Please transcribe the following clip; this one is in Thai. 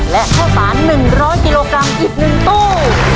และข้าวสาร๑๐๐กิโลกรัมอีก๑ตู้